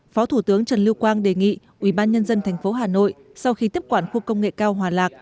phó thủ tướng trần lưu quang đề nghị ủy ban nhân dân tp hà nội sau khi tiếp quản khu công nghệ cao hòa lạc